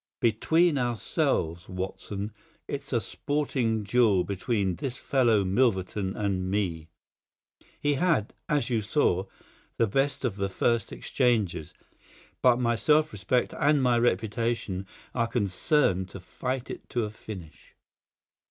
Between ourselves, Watson, it's a sporting duel between this fellow Milverton and me. He had, as you saw, the best of the first exchanges; but my self respect and my reputation are concerned to fight it to a finish."